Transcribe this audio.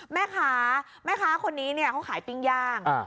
แม่ค้าแม่ค้าคนนี้เนี่ยเขาขายปิ้งย่าง